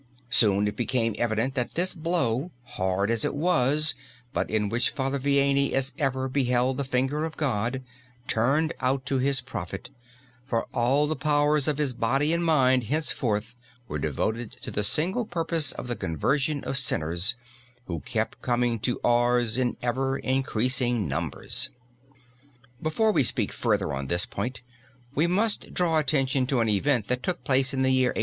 Soon it became evident that this blow, hard as it was, but in which Father Vianney as ever beheld the finger of God, turned out to his profit, for all the powers of his body and mind henceforth were devoted to the single purpose of the conversion of sinners, who kept coming to Ars in ever increasing numbers. Before we speak further on this point, we must draw attention to an event that took place in the year 1843.